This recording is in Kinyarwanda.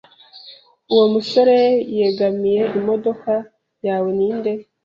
Uwo musore yegamiye imodoka yawe ninde?